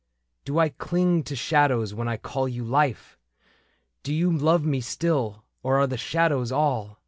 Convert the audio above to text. ^^ Do I cling to shadows when I call you Life ? Do you love me still, or are the shadows all